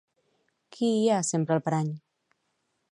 Qui hi ha sempre al parany?